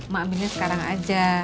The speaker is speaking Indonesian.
mak ambilnya sekarang aja